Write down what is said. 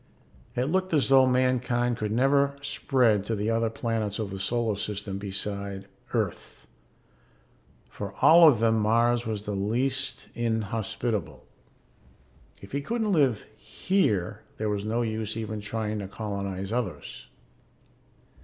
It had looked as though mankind could never spread to the other planets of the solar system besides Earth for of all of them Mars was the least inhospitable; if he couldn't live here there was no use even trying to colonize the others.